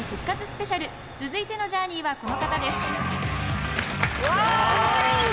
スペシャル続いてのジャーニーはこの方です